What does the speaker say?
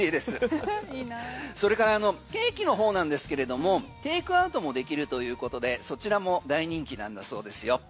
それからケーキの方なんですけれどもテイクアウトもできるということでそちらも大人気なんだそうですよ。